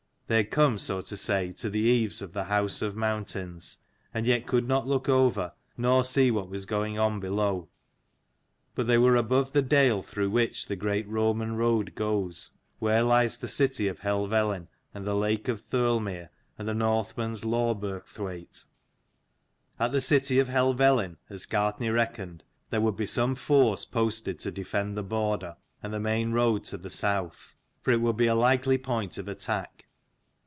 They had come so to say to the eaves of the house of mountains and yet could not look over, nor see what was going on below. But they were above the dale through which the great Roman road goes, where lies the city of Helvellyn and the lake of Thirlmere and the Northmen's Law burg thwaite. At the city of Helvellyn, as Gartnaidh reckoned, there would be some force posted to defend the border and the main road to the south, for it would be a likely point of attack.